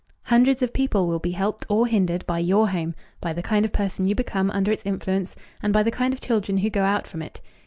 Hundreds of people will be helped or hindered by your home, by the kind of person you become under its influence, and by the kind of children who go out from it.